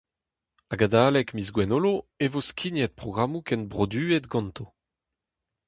Hag adalek miz Gwengolo e vo skignet programmoù kenbroduet ganto.